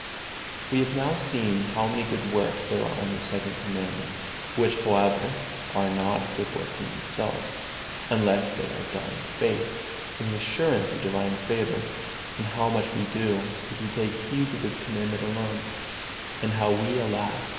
I. We have now seen how many good works there are in the Second Commandment, which however are not good in themselves, unless they are done in faith and in the assurance of divine favor; and how much we must do, if we take heed to this Commandment alone, and how we, alas!